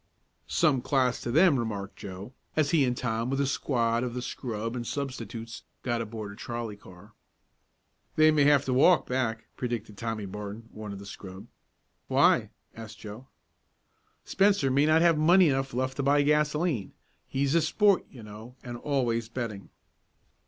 "Some class to them," remarked Joe, as he and Tom with a squad of the scrub and substitutes, got aboard a trolley car. "They may have to walk back," predicted Tommy Barton, one of the scrub. "Why?" asked Joe. "Spencer may not have money enough left to buy gasolene. He's a sport, you know, and always betting."